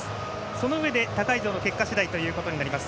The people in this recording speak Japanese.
そのうえで他会場の結果次第となります。